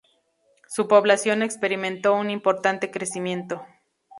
Su población experimentó un importante crecimiento.